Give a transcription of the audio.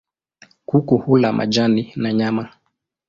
Kuku hula majani na nyama.